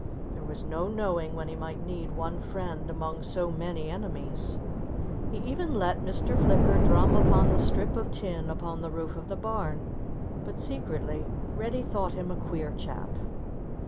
There was no knowing when he might need one friend among so many enemies. He even let Mr. Flicker drum upon the strip of tin upon the roof of the barn. But secretly Reddy thought him a queer chap.